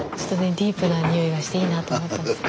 ディープなにおいがしていいなと思ったんですよね。